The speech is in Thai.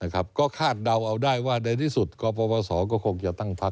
ก็คาดเดาเอาได้ว่าในที่สุดคั่นประวัติศาสตร์ก็คงหยัดตั้งพัก